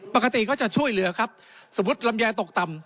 ปกติเขาจะช่วยเหลือครับสมมุติลำแยตกต่ำ